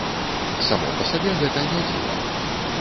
Само па сабе гэта не дзіва.